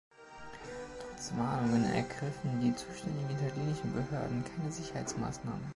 Trotz Warnungen ergriffen die zuständigen italienischen Behörden keine Sicherheitsmaßnahmen.